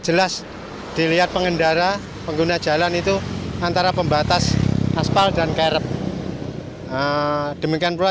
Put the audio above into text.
jelas dilihat pengendara pengguna jalan itu antara pembatas aspal dan kerep demikian pula